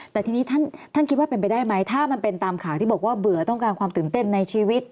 แต่ทีนี้ท่านคิดว่าเป็นไปได้ไหมถ้ามันเป็นตามข่าวที่บอกว่าเบื่อต้องการความตื่นเต้นในชีวิต